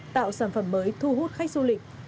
tạo sản phẩm mới thu hút khách du lịch